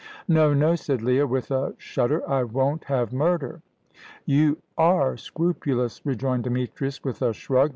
"No, no," said Leah, with a shudder. "I won't have murder." "You are scrupulous," rejoined Demetrius, with a shrug.